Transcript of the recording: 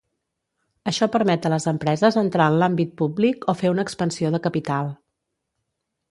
Això permet a les empreses entrar en l'àmbit públic o fer una expansió de capital.